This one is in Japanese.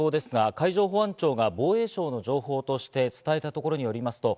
海上保安庁が防衛省の情報として伝えたところによりますと、